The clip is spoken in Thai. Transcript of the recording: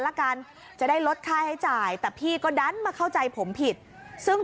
ละกันจะได้ลดค่าให้จ่ายแต่พี่ก็ดันมาเข้าใจผมผิดซึ่ง